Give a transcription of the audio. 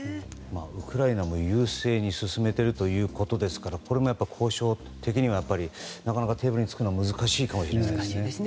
ウクライナが優勢に進めているということですから交渉的にはなかなかテーブルに着くのは難しいかもしれないですね。